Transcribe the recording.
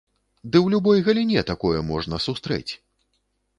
Ды ў любой галіне такое можна сустрэць!